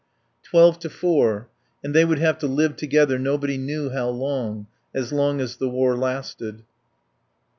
Twelve to four. And they would have to live together nobody knew how long: as long as the war lasted.